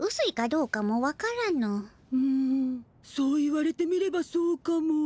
うんそう言われてみればそうかも。